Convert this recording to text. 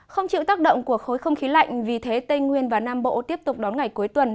không chịu tác động của khối không khí lạnh vì thế tây nguyên và nam bộ tiếp tục đón ngày cuối tuần